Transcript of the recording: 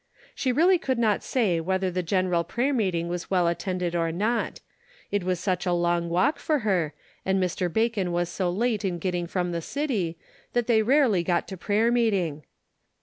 She really could not say whether the general prayer meeting was well attended or not ; it was such a long walk for her, and Mr. Bacon was so late in getting from the city, that they rarely got to prayer meeting.